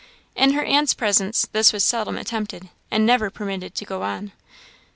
In her aunt's presence this was seldom attempted, and never permitted to go on.